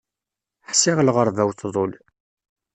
Ḥṣiɣ lɣerba-w tḍul.